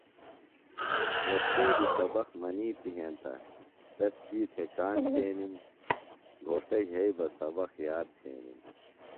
اوستیذیۡ سبق منِیتی ہینتہ تس شوئی تھےۡ کاݨ تھینِم۔ گھوݜٹہ یھئی بہ سبق یاد تھینِم۔